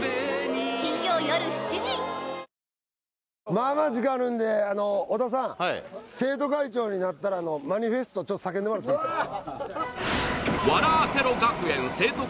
まあまあ時間あるんで小田さんはい生徒会長になったらのマニフェスト叫んでもらっていいですか？